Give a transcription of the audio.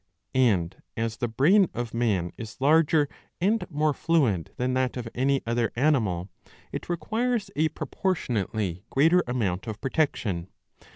And as the brain of man is larger and more fluid than that of any other animal, it requires a proportionately greater amount of protection.